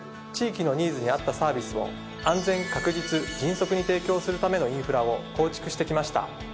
地域のニーズにあったサービスを安全確実迅速に提供するためのインフラを構築して来ました。